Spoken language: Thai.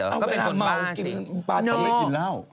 เอาเวลาเม้ากินป้าทำอะไรกินแล้ว